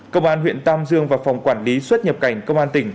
công an huyện tam dương và phòng quản lý xuất nhập cảnh công an tỉnh